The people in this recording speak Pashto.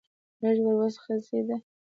لږ ور وڅخېد.